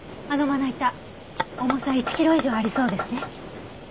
あのまな板重さ１キロ以上ありそうですね。